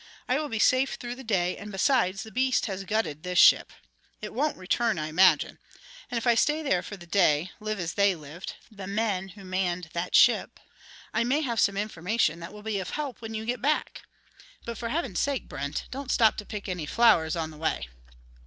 I will be safe through the day, and besides, the beast has gutted this ship. It won't return, I imagine. And if I stay there for the day live as they lived, the men who manned that ship I may have some information that will be of help when you get back. But for Heaven's sake, Brent, don't stop to pick any flowers on the way."